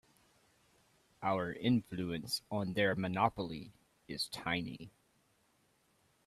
Our influence on their monopoly is tiny.